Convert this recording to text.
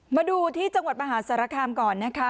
มาดูที่จังหวัดมหาสารคามก่อนนะคะ